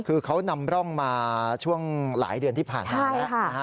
คือเขานำร่องมาช่วงหลายเดือนที่ผ่านมาแล้วนะฮะ